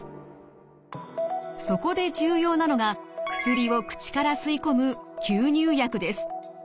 そこで重要なのが薬を口から吸い込む吸入薬です。